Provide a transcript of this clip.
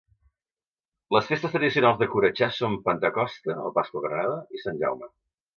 Les festes tradicionals de Coratxà són Pentecosta o Pasqua Granada i Sant Jaume.